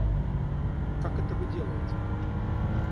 Как это вы делаете?